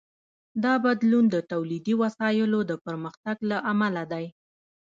دا بدلون د تولیدي وسایلو د پرمختګ له امله دی.